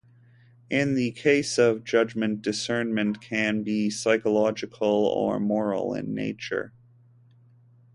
In the case of judgment, discernment can be psychological or moral in nature.